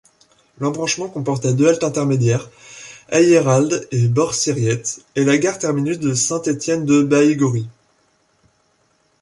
L'embranchement comportait deux haltes intermédiaires, Eyheralde et Borciriette, et la gare terminus de Saint-Étienne-de-Baïgorry.